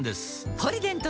「ポリデント」